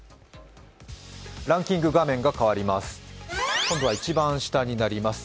ランキング、画面が変わります。